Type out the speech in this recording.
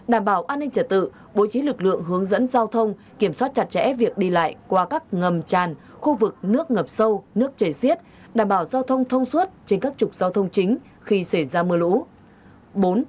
đảm bảo an ninh trả tự bố trí lực lượng hướng dẫn giao thông kiểm soát chặt chẽ việc đi lại qua các ngầm tràn khu vực nước ngập sâu nước chảy xiết đảm bảo giao thông thông suốt trên các trục giao thông chính khi xảy ra mưa lũ